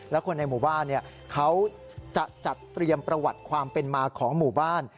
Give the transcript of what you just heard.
และคนในหมู่บ้านเขาจะจัดเตรียมประวัติความเป็นมาของหมู่บ้าน